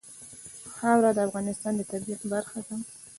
خاوره د افغانستان د طبیعت برخه ده.